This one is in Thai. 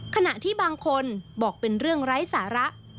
ขณะที่บางคนบอกเป็นเรื่องไร้สาระ